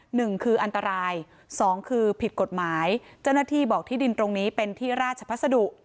หนึ่งคืออันตรายสองคือผิดกฎหมายเจ้าหน้าที่บอกที่ดินตรงนี้เป็นที่ราชพัสดุ